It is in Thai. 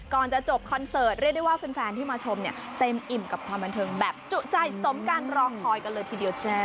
ก่อนจะจบคอนเสิร์ตเรียกได้ว่าแฟนที่มาชมเนี่ยเต็มอิ่มกับความบันเทิงแบบจุใจสมการรอคอยกันเลยทีเดียวจ้า